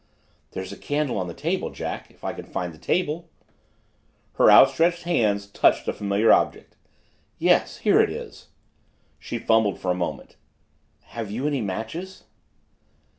"There's a candle on the table, Jack, if I can find the table." Her outstretched hands touched a familiar object. "Here it is." She fumbled for a moment. "Have you any matches?"